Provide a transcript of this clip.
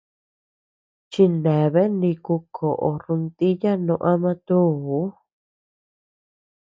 Chineabea niku koʼo rontiya no ama túu.